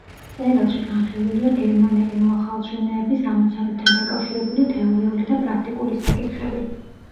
წერილში განხილულია გერმანელი მოახალშენეების ამოცანებთან დაკავშირებული თეორიული და პრაქტიკული საკითხები.